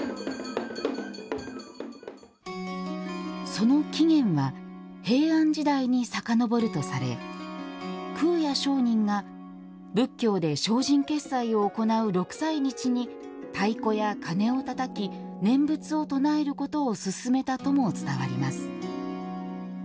その起源は平安時代にさかのぼるとされ空也上人が仏教で精進潔斎を行う六斎日に太鼓や鉦をたたき念仏を唱えることを勧めたとも伝わります。